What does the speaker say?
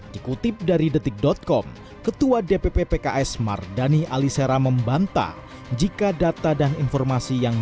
dikutip dari detik com ketua dpp pks mardani alisera membantah jika data dan informasi yang